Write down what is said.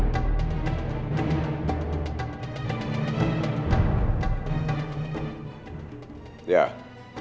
suruh dia masuk